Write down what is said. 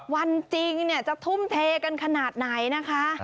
วันจริงจะทุ่มเทกันขนาดไหนนะคะ